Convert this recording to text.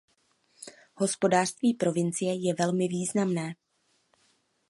Hospodářství provincie je velmi významné.